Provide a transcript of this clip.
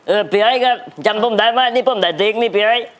อื้อเป้ยไม่ค่าจำพูดได้ป่ะนี่พ่อได้ยกนี่เป้ย